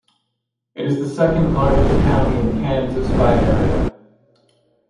It is the second-largest county in Kansas by area.